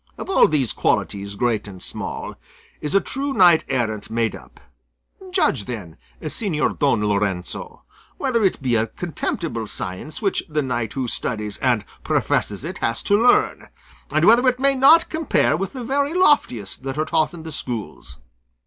Of all these qualities, great and small, is a true knight errant made up; judge then, Señor Don Lorenzo, whether it be a contemptible science which the knight who studies and professes it has to learn, and whether it may not compare with the very loftiest that are taught in the schools."